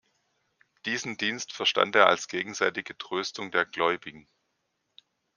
Diesen Dienst verstand er als gegenseitige Tröstung der Gläubigen.